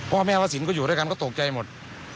พ่อแม่วสินก็อยู่ด้วยกันก็ตกใจหมด